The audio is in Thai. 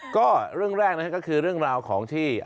ก็เรื่องแรกนะครับก็คือเรื่องราวของที่